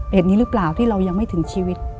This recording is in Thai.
เหตุนี้หรือเปล่าที่เรายังไม่ถึงชีวิต